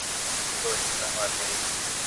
Mifugo wengine wanaoathirika